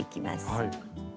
はい。